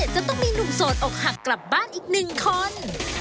จะต้องมีหนุ่มโสดอกหักกลับบ้านอีกหนึ่งคน